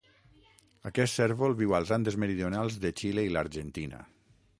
Aquest cérvol viu als Andes meridionals de Xile i l'Argentina.